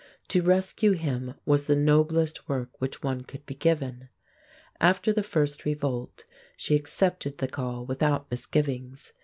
To rescue him was the noblest work which one could be given. After the first revolt she accepted the call without misgivings.